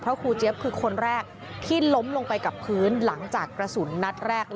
ครูเจี๊ยบคือคนแรกที่ล้มลงไปกับพื้นหลังจากกระสุนนัดแรก